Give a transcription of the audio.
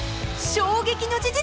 ［衝撃の事実］